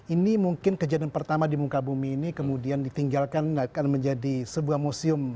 ini mungkin kejadian pertama di muka bumi ini kemudian ditinggalkan akan menjadi sebuah museum